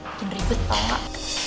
mungkin ribet banget